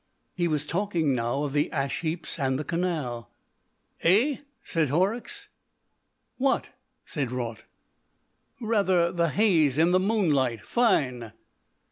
He was talking now of the ash heaps and the canal. "Eigh?" said Horrocks. "What?" said Raut. "Rather! The haze in the moonlight. Fine!"